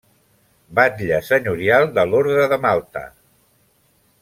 Batlle senyorial de l'Orde de Malta.